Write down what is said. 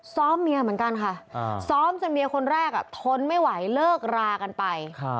ซ้อมเมียเหมือนกันค่ะซ้อมจนเมียคนแรกทนไม่ไหวเลิกรากันไป